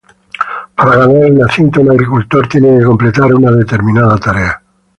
Para ganar una cinta, un agricultor tiene que completar una determinada tarea.